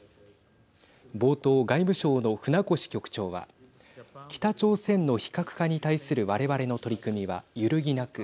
冒頭、外務省の船越局長は北朝鮮の非核化に対する我々の取り組みは揺るぎなく